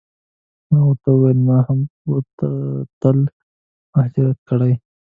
ما ورته وویل ما هم په ټل کې مهاجرت کړی.